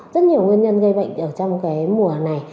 rất nhiều nguyên nhân gây bệnh ở trong cái mùa này